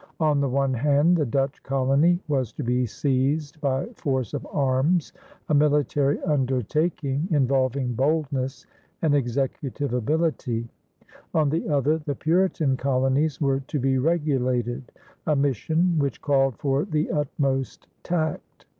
On the one hand the Dutch colony was to be seized by force of arms, a military undertaking involving boldness and executive ability; on the other, the Puritan colonies were to be regulated, a mission which called for the utmost tact.